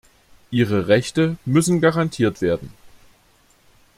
Ihre Rechte müssen garantiert werden.